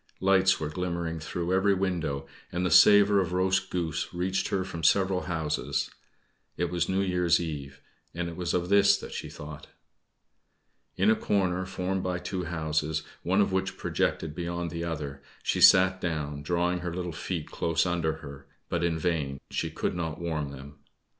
Lights were glimmering through every window, and the savor of roast goose reached her from several houses. It was New Year's Eve, and it was of this that she thought. In a corner formed by two houses, one of which projected beyond the other, she sat down, drawing her little feet close under her, but in vain she could not warm them.